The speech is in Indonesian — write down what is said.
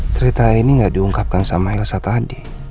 cerita ini gak diungkapkan sama elsa tadi